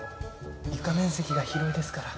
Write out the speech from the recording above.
床面積が広いですから。